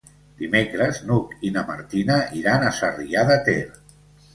Dimecres n'Hug i na Martina iran a Sarrià de Ter.